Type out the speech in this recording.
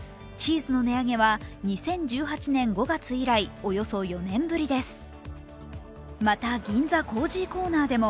チーズの値上げは２０１８年５月以来およそ４年ぶりです。